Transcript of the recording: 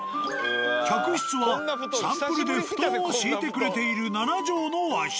客室はサンプルで布団を敷いてくれている７畳の和室。